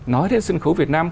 nói đến sân khấu việt nam